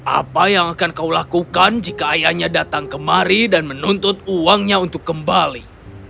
apa yang akan kau lakukan jika ayahnya datang kemari dan menuntut uangnya untuk kembali